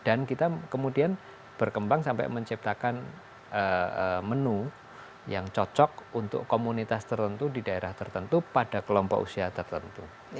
dan kita kemudian berkembang sampai menciptakan menu yang cocok untuk komunitas tertentu di daerah tertentu pada kelompok usia tertentu